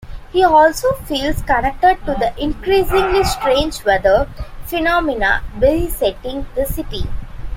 He also feels connected to the increasingly strange weather phenomena besetting the city.